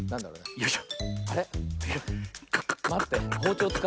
よいしょ。